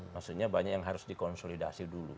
maksudnya banyak yang harus dikonsolidasi dulu